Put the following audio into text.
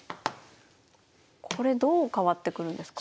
これどう変わってくるんですか？